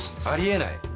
あり得ない。